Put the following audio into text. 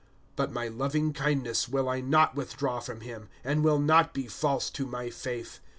^^ But my loving kindness will I not withdraw from him, And will not be false to my faith.